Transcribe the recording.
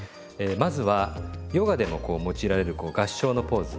まずはヨガでもこう用いられる合掌のポーズ。